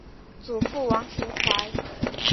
祖父王庭槐。